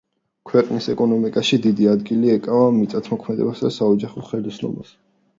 ქვეყნის ეკონომიკაში დიდი ადგილი ეკავა მიწათმოქმედებასა და საოჯახო ხელოსნობას.